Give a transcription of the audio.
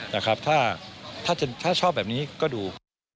แต่ครับถ้าถ้าจะชอบแบบนี้ก็ดู